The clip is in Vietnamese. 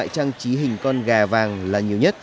trang trí hình con gà vàng là nhiều nhất